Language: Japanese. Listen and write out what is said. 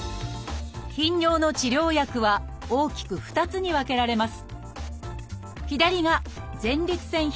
頻尿の治療薬は大きく２つに分けられます